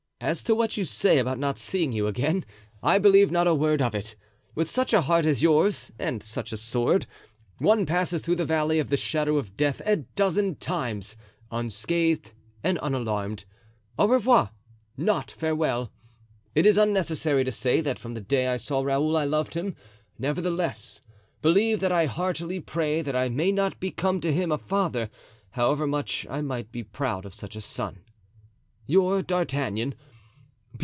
"As to what you say about not seeing you again, I believe not a word of it; with such a heart as yours—and such a sword—one passes through the valley of the shadow of death a dozen times, unscathed and unalarmed. Au revoir, not farewell. "It is unnecessary to say that from the day I saw Raoul I loved him; nevertheless, believe that I heartily pray that I may not become to him a father, however much I might be proud of such a son. "Your "D'Artagnan.